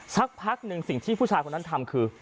สักพักหนึ่งสิ่งที่ผู้ชายคนนั้นทำคือ